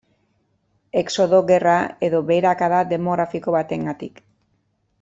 Exodo, gerra edo beherakada demografiko batengatik.